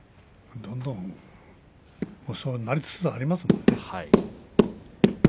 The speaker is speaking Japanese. どんどんそうなりつつありますね。